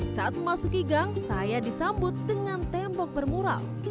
saat memasuki gang saya disambut dengan tembok bermural